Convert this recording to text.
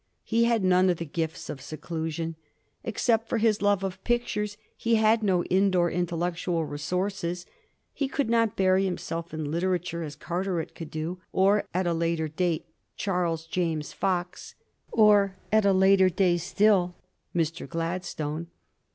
He had none of the gifts of seclusion. Except for his love of pictures, he had no in door intellectual re sources. He could not bury himself in literature as Car teret could do ; or, at a later day, Charles James Fox ; or, at a later day still, Mr. Gladstone.